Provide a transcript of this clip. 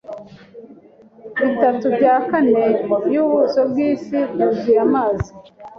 Bitatu bya kane byubuso bwisi byuzuye amazi.